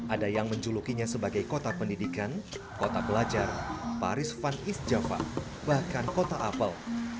ada yang menjulukinya sebagai kota pendidikan kota pelajar paris van east java bahkan kota apple